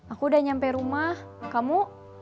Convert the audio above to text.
aku udah nyampe rumah kamu